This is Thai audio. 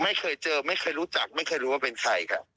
ไม่เคยเจอไม่เคยรู้จักไม่เคยรู้ว่าเป็นใครค่ะ